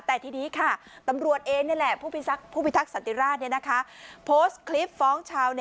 แต่ที่นี้ตำรวจเอง